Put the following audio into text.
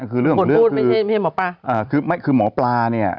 คือเรื่องของเรื่องคือคือหมอปลาเนี่ย